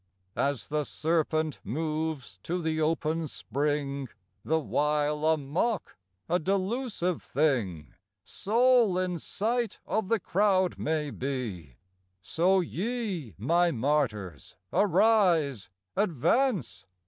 As the serpent moves to the open spring, The while a mock, a delusive thing Sole in sight of the crowd may be, So ye, my martyrs, arise, advance!